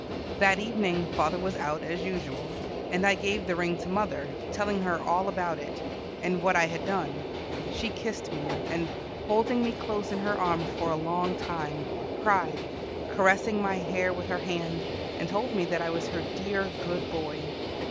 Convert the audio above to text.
That evening father was out as usual, and I gave the ring to mother, telling her all about it, and what I had done. She kissed me, and, holding me close in her arms for a long time, cried, caressing my hair with her hand, and told me that I was her dear, good boy.